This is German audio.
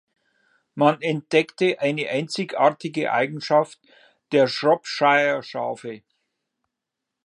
Man entdeckte eine einzigartige Eigenschaft der Shropshire-Schafe.